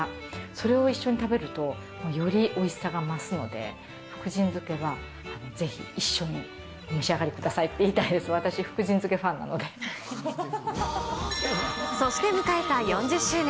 それを一緒に食べると、よりおいしさが増すので、福神漬けはぜひ一緒にお召し上がりくださいと言いたいです、そして迎えた４０周年。